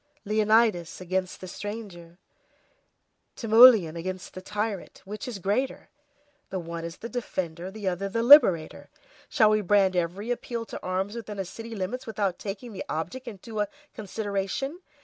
Leonidas against the stranger, Timoleon against the tyrant, which is the greater? the one is the defender, the other the liberator. Shall we brand every appeal to arms within a city's limits without taking the object into a consideration?